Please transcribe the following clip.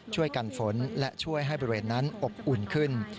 ฝนและช่วยให้บริเวณนั้นอบอุ่นขึ้น